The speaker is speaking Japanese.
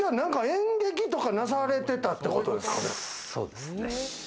演劇とかなされてたってことそうですね。